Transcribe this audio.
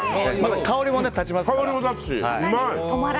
香りも立ちますから。